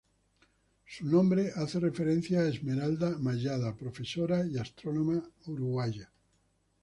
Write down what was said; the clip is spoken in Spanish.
Su nombre hace referencia a Esmeralda Mallada, profesora y astrónoma uruguaya.